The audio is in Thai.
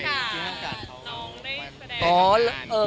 น้องได้แสดง